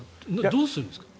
どうするんですか？